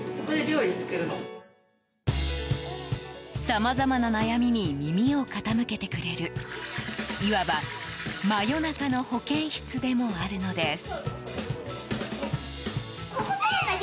さまざまな悩みに耳を傾けてくれるいわば真夜中の保健室でもあるのです。